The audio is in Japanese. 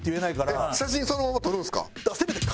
写真そのまま撮るんですか？